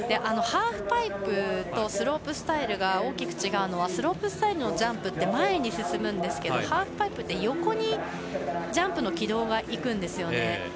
ハーフパイプとスロープスタイルが大きく違うのはスロープスタイルのジャンプって前に進むんですけどハーフパイプって横にジャンプの軌道がいくんですよね。